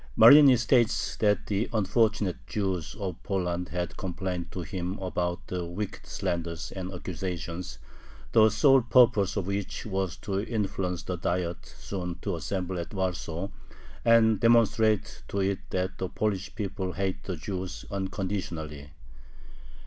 Marini states that the "unfortunate Jews" of Poland had complained to him about the "wicked slanders" and accusations, the "sole purpose" of which was to influence the Diet soon to assemble at Warsaw, and demonstrate to it that "the Polish people hate the Jews unconditionally."